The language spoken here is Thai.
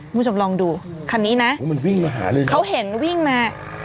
มึงจะลองดูคันนี้นะมันวิ่งมาหาเลยเขาเห็นวิ่งมา